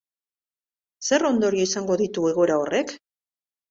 Zer ondorio izango ditu egoera horrek?